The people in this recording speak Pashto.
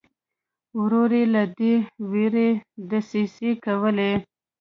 ورور یې له دې وېرې دسیسې کولې.